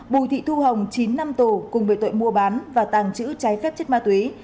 bùi thị thu hồng chín năm tù cùng về tội mua bán và tàng trữ trái phép chất ma túy